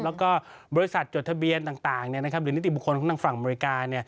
แล้วก็บริษัทจดทะเบียนต่างหรือนิติบุคคลของทางฝั่งอเมริกา